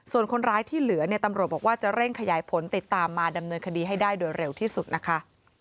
ส่วนคนร้ายที่เหลือเนี่ยตำรวจบอกว่าจะเร่งขยายผลติดตามมาดำเนินคดีให้ได้โดยเร็วที่สุดนะคะ